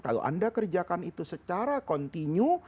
kalau anda kerjakan itu secara kontinu